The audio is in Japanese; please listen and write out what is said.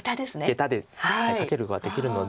ゲタでカケることができるので。